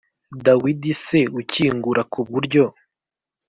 Dawidi c ukingura ku buryo